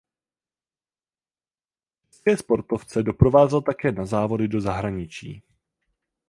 České sportovce doprovázel také na závody do zahraničí.